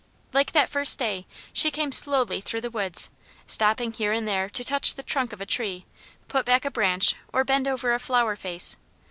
Like that first day, she came slowly through the woods, stopping here and there to touch the trunk of a tree, put back a branch, or bend over a flower face.